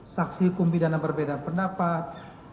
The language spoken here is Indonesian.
saksi hukum pidana berbeda pendapat